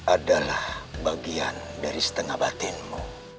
adalah bagian dari setengah batinmu